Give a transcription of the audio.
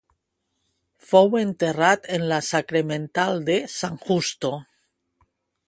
Fou enterrat en la Sacramental de San Justo.